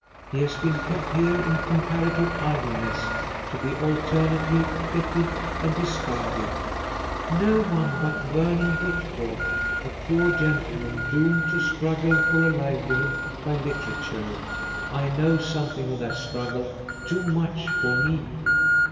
He has been kept here in comparative idleness to be alternately petted and discarded: no one but Vernon Whitford, a poor gentleman doomed to struggle for a livelihood by literature I know something of that struggle too much for me!